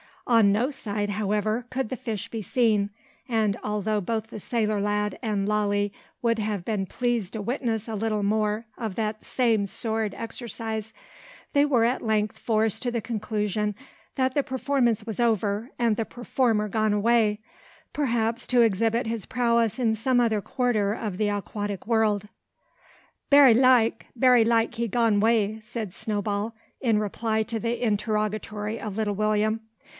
On no side, however, could the fish be seen; and, although both the sailor lad and Lalee would have been pleased to witness a little more of that same sword exercise, they were at length forced to the conclusion that the performance was over and the performer gone away, perhaps, to exhibit his prowess in some other quarter of the aquatic world. "Berry like, berry like he gone way," said Snowball, in reply to the interrogatory of little William.